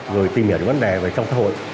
rồi tìm hiểu vấn đề về trong xã hội